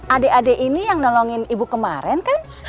adik adik ini yang nolongin ibu kemarin kan